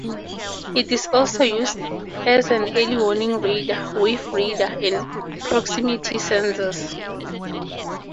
It is also used as early-warning radar, wave radar, and proximity sensors.